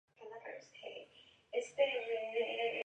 Presentan un claro dimorfismo sexual.